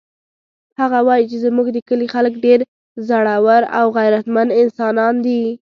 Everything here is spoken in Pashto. هغه وایي چې زموږ د کلي خلک ډېر زړور او غیرتمن انسانان دي